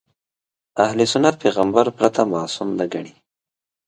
اهل سنت پیغمبر پرته معصوم نه ګڼي.